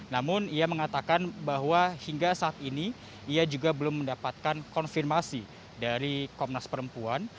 namun ia mengatakan bahwa hingga saat ini ia juga belum mendapatkan konfirmasi dari komnas perempuan